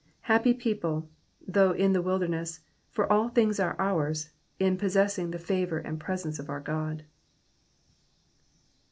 Happy people, though in the wilderness, for all things are ours, in possessing the favour and presence of our God.